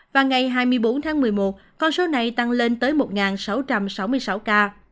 và ngày hai mươi bốn tháng một mươi một con số này tăng lên tới một sáu trăm sáu mươi sáu ca